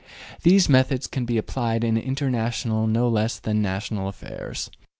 These methods can be applied in international no less than in national affairs.